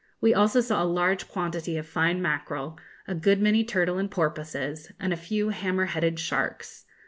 We also saw a large quantity of fine mackerel, a good many turtle and porpoises, and a few hammer headed sharks.